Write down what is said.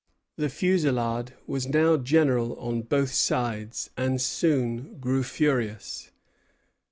The fusillade was now general on both sides, and soon grew furious.